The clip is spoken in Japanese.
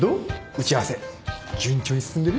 打ち合わせ順調に進んでる？